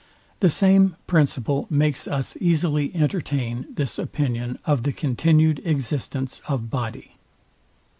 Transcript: The same principle makes us easily entertain this opinion of the continued existence of body.